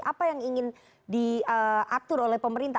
apa yang ingin diatur oleh pemerintah